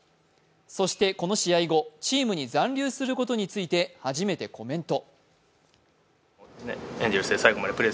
そしてこの試合後、チームに残留することについて初めてコメント。